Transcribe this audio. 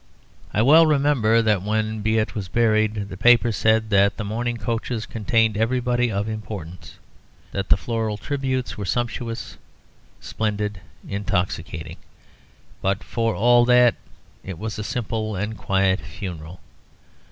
I well remember that when Beit was buried, the papers said that the mourning coaches contained everybody of importance, that the floral tributes were sumptuous, splendid, intoxicating; but, for all that, it was a simple and quiet funeral.